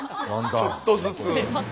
ちょっとずつ。